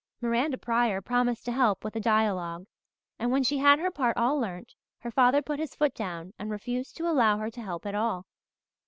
Miranda Pryor promised to help with a dialogue and when she had her part all learnt her father put his foot down and refused to allow her to help at all.